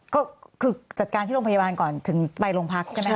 ก็คือจัดการที่โรงพยาบาลก่อนถึงไปโรงพักใช่ไหมค